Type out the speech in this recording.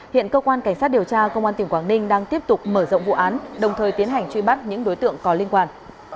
hiện cơ quan cảnh sát điều tra công an tỉnh quảng ninh đang tiếp tục mở rộng vụ án đồng thời tiến hành truy bắt những đối tượng có liên quan